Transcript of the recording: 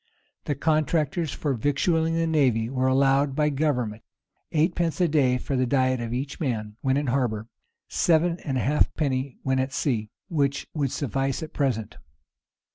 The contractors for victualling the navy were allowed by government eightpence a day for the diet of each man when in harbor, sevenpence halfpenny when at sea; [] which would suffice at present.